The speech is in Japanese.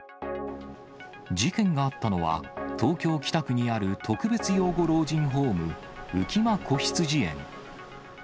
事件があったのは、東京・北区にある特別養護老人ホーム、浮間こひつじ園。